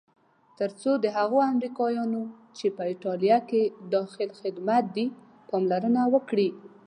تر څو د هغو امریکایانو چې په ایټالیا کې داخل خدمت دي پالنه وکړي.